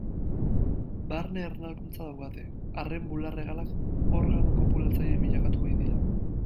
Barne ernalkuntza daukate, arren bular-hegalak organo kopulatzaile bilakatu baitira.